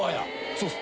そうです。